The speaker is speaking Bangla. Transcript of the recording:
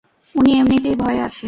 উনি এমনিতেই ভয়ে আছে!